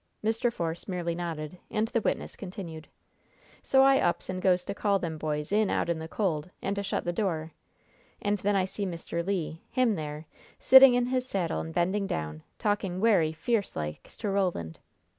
Mr. Force merely nodded, and the witness continued: "So I ups and goes to call them boys in out'n the cold, and to shut the door. And then I seen Mr. Le him there sitting in his saddle and bending down, talking werry fierce like to Roland.